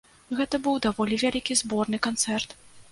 Гэта быў даволі вялікі зборны канцэрт.